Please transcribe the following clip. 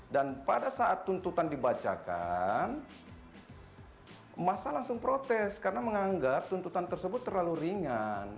dan pada saat tuntutan dibacakan massa langsung protes karena menganggap tuntutan tersebut terlalu ringan